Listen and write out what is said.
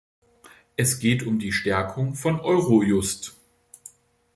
Es geht um die Stärkung von Eurojust.